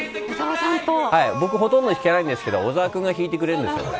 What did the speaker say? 僕、ほとんど弾けないんですけど小澤君が弾いてくれるんですよ。